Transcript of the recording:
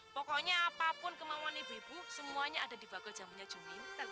pokoknya apapun kemauan ibu ibu semuanya ada di bagel jamunya juminten